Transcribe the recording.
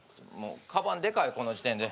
かばんでかいこの時点で。